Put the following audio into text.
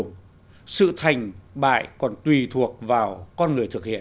công cụ kinh tế này còn tùy thuộc vào con người thực hiện